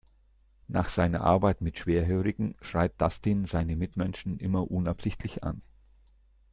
Nach seiner Arbeit mit Schwerhörigen schreit Dustin seine Mitmenschen immer unabsichtlich an.